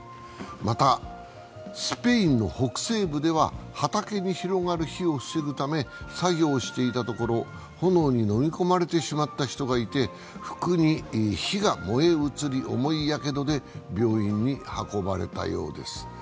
またスペイン北西部では畑に広がる火を防ぐため作業をしていたところ、炎にのみ込まれてしまった人がいて、服に火が燃え移り、重いやけどで病院に運ばれたようです。